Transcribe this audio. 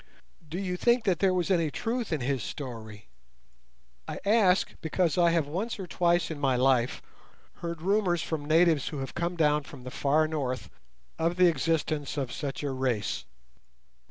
Do you think that there was any truth in his story? I ask, because I have once or twice in my life heard rumours from natives who have come down from the far north of the existence of such a race."